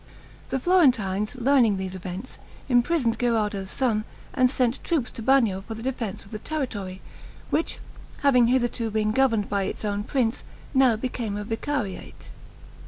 The Florentines learning these events, imprisoned Gherardo's son, and sent troops to Bagno for the defense of the territory, which having hitherto been governed by its own prince, now became a vicariate.